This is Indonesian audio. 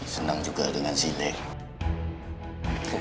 senang juga dengan si leh